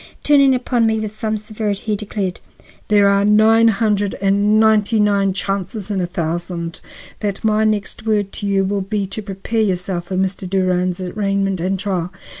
Turning upon me with some severity, he declared: "There are nine hundred and ninety nine chances in a thousand that my next word to you will be to prepare yourself for Mr. Durand's arraignment and trial.